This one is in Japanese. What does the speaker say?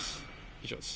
以上です。